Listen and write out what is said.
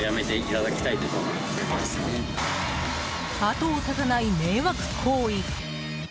後を絶たない迷惑行為。